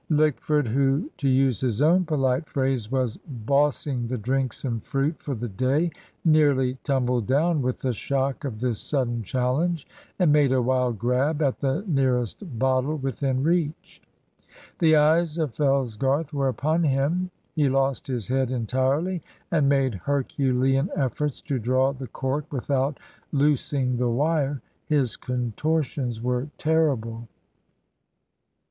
Lickford, who, to use his own polite phrase, was "bossing the drinks and fruit" for the day, nearly tumbled down with the shock of this sudden challenge, and made a wild grab at the nearest bottle within reach. The eyes of Fellsgarth were upon him; he lost his head entirely, and made herculean efforts to draw the cork without loosing the wire. His contortions were terrible.